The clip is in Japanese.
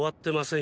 ん？